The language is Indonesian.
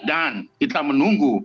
dan kita menunggu